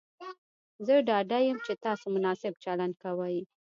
زه ډاډه یم چې تاسو مناسب چلند کوئ.